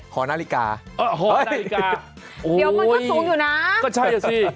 หอนาฬิกาหอนาฬิกาเดี๋ยวมันก็สูงอยู่นะก็ใช่อ่ะสิ